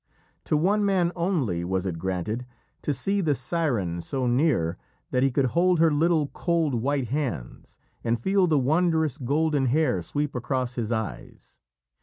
To one man only was it granted to see the siren so near that he could hold her little, cold, white hands, and feel the wondrous golden hair sweep across his eyes.